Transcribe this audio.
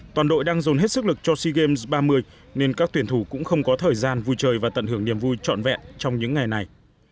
toàn đội đang dồn hết sức lực cho sea games ba mươi nên các tuyển thủ cũng không có thời gian vui chơi và tận hưởng niềm vui trọn vẹn trong những ngày này